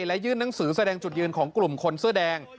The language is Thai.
และยื่นหนังสือแสดงจุดยืนของกลุ่มคนเสื้อแดง